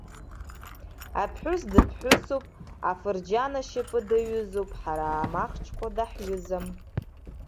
Аԥҳәыс дыԥҳәысуп, афырџьан ашьапы даҩызоуп, ҳара амахҽқәа даҳҩызам.